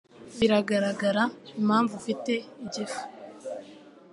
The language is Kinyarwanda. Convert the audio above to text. Biragaragara impamvu ufite igifu.